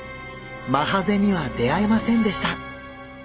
マハゼには出会えませんでした。